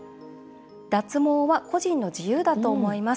「脱毛は個人の自由だと思います。